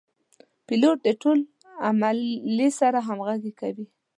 پیلوټ د ټول عملې سره همغږي کوي.